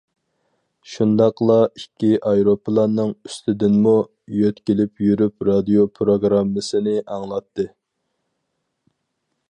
شۇنداقلا ئىككى ئايروپىلاننىڭ ئۈستىدىنمۇ يۆتكىلىپ يۈرۈپ رادىيو پىروگراممىسىنى ئاڭلاتتى.